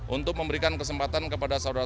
untuk memberikan kesempatan kepada saudara